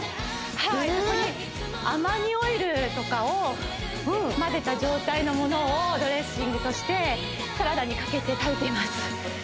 はいそこにアマニオイルとかを混ぜた状態のものをドレッシングとしてサラダにかけて食べています